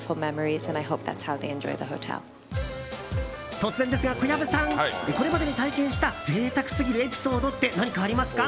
突然ですが、小籔さん！これまでに体験した贅沢すぎるエピソードって何かありますか？